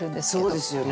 そうですよね。